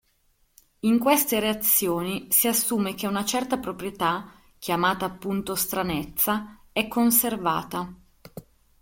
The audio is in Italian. In queste reazioni si assume che una certa proprietà, chiamata appunto stranezza, è conservata.